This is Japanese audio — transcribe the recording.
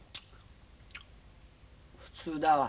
普通だわ。